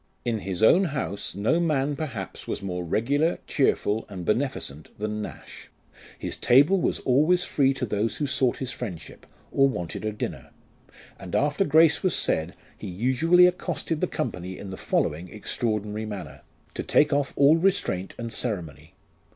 In his own house no man perhaps was more regular, cheerful, and beneficent than Nash. His table was always free to those who sought his friendship, or wanted a dinner ; and after grace was said, he usually accosted the company in the following extraordinary manner, to take off all restraint and ceremony.